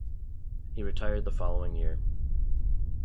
He retired the following year.